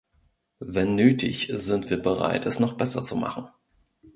Wenn nötig, sind wir bereit, es noch besser zu machen.